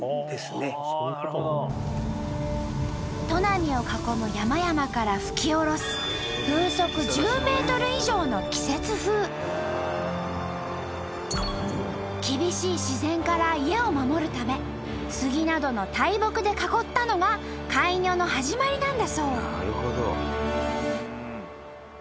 砺波を囲む山々から吹きおろす風速１０メートル以上の厳しい自然から家を守るためスギなどの大木で囲ったのがカイニョの始まりなんだそう。